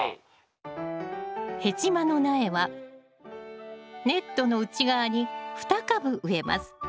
ヘチマの苗はネットの内側に２株植えます。